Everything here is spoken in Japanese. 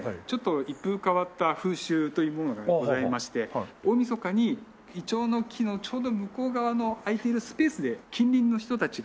一風変わった風習というものがございまして大みそかにイチョウの木のちょうど向こう側の空いているスペースで近隣の人たちがですね